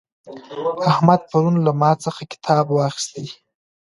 احمد پرون له ما څخه کتاب واخیستی.